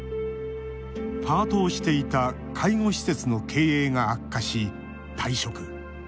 パートをしていた介護施設の経営が悪化し退職。